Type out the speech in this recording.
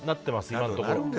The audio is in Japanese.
今のところ。